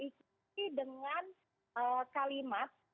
dan diikuti dengan kalimat